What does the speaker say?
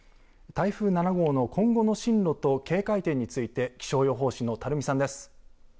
台風７号の今後の進路と警戒点について気象予報士の垂水さんです。